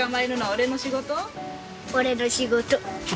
俺の仕事。